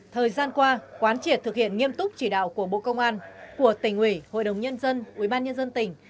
thời gian qua quán triệt thực hiện nghiêm túc chỉ đạo của bộ công an của tỉnh ủy hội đồng nhân dân ubnd tỉnh